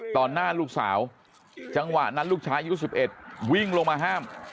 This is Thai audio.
ตอนหน้าลูกสาวจังหวะนั้นลูกชายุคสิบเอ็ดวิ่งลงมาห้าม